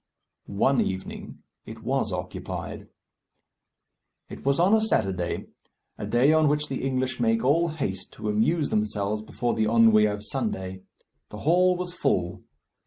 One evening it was occupied. It was on a Saturday, a day on which the English make all haste to amuse themselves before the ennui of Sunday. The hall was full.